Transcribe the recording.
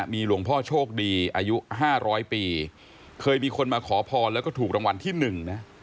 มีหลวงพ่อโชคดีอายุ๕๐๐ปีเคยมีคนมาขอพรแล้วก็ถูกรางวัลที่หนึ่งนะ